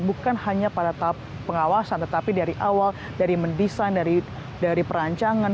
bukan hanya pada tahap pengawasan tetapi dari awal dari mendesain dari perancangan